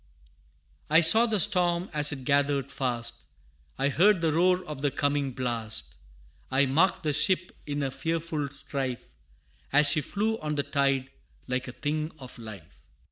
I saw the storm as it gathered fast, I heard the roar of the coming blast, I marked the ship in her fearful strife, As she flew on the tide, like a thing of life.